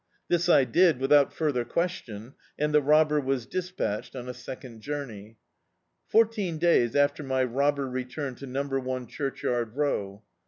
This I did, without further ques ticKi, and "The Robber" was despatched on a sec ond journey. Fourteen days after my robber re turned to number one Churchyard Row.